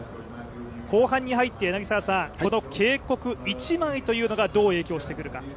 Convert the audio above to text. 後半に入って、この警告１枚というのがどう影響してくるか。